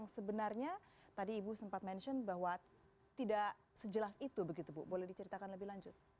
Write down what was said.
sebenarnya tadi ibu sempat mention bahwa tidak sejelas itu begitu bu boleh diceritakan lebih lanjut